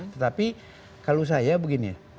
tetapi kalau saya begini